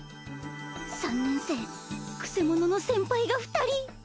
３年生くせ者の先輩が２人。